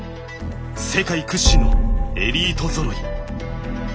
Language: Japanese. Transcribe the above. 世界屈指のエリートぞろい。